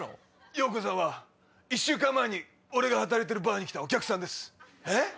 ヨウコさんは１週間前に俺が働いてるバーに来たお客さんです。